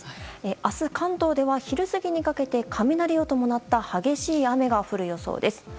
明日、関東では昼過ぎにかけて雷を伴った激しい雨が降る予想です。